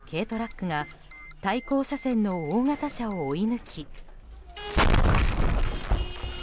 猛スピードの軽トラックが対向車線の大型車を追い抜き。